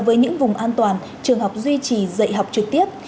với những vùng an toàn trường học duy trì dạy học trực tiếp